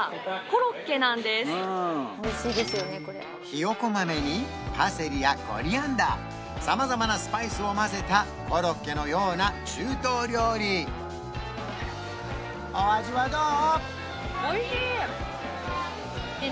ひよこ豆にパセリやコリアンダー様々なスパイスを混ぜたコロッケのような中東料理お味はどう？